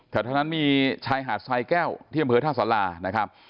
แต่เท่านั้นมีชายหาดชายแก้วที่มธาตุษรา